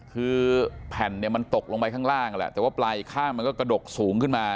คือแผ่นเนี่ยมันตกลงไปข้างล่างแหละแต่ว่าปลายข้างมันก็กระดกสูงขึ้นมา